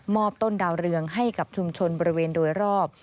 ต้นดาวเรืองให้กับชุมชนบริเวณโดยรอบ